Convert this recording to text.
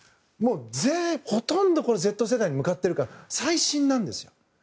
もうほとんどＺ世代に向かってるから最新なんです。